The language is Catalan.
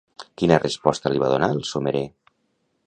Quina resposta li va donar el somerer?